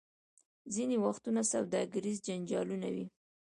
ځینې وختونه سوداګریز جنجالونه وي.